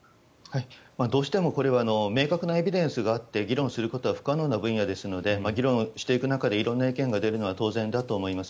どうしてもこれは明確なエビデンスがあって議論することは不可能な分野ですので議論していく中で色んな意見が出るのは当然だと思います。